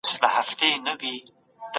روښانه ذهن نور خلګ ښه درک کوي.